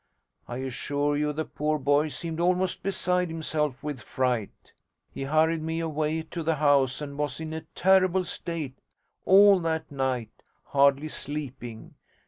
I assure you the poor boy seemed almost beside himself with fright. He hurried me away to the house, and was in a terrible state all that night, hardly sleeping.